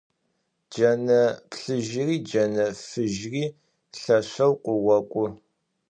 Джэнэ плъыжьыри джэнэ фыжьыри лъэшэу къыокӀу.